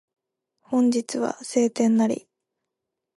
本日は晴天なり